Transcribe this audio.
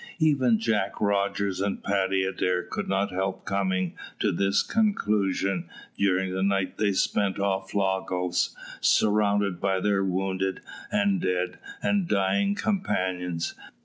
Even Jack Rogers and Paddy Adair could not help coming to this conclusion during the night they spent off Lagos, surrounded by their wounded, and dead, and dying companions.